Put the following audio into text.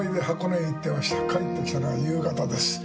帰ってきたのは夕方です。